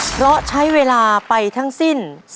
เพราะใช้เวลาไปทั้งสิ้น